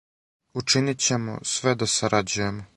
Учинићемо све да сарађујемо.